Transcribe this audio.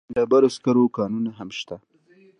د ډبرو سکرو کانونه هم شته.